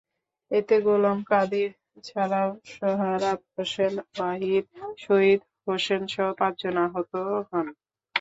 এতে গোলাম কাদির ছাড়াও সোহরাব হোসেন, ওয়াহিদ, শহীদ হোসেনসহ পাঁচজন আহত হন।